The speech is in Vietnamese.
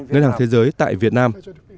ngân hàng thế giới tại việt nam